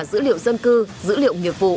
dữ liệu dân cư dữ liệu nghiệp vụ